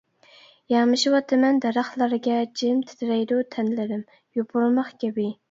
يامىشىۋاتىمەن دەرەخلەرگە جىم تىترەيدۇ تەنلىرىم يوپۇرماق كەبى.